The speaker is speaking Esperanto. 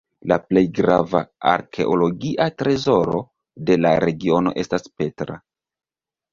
La plej grava arkeologia trezoro de la regiono estas Petra.